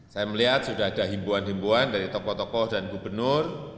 saya melihat sudah ada himbuan himbuan dari tokoh tokoh dan gubernur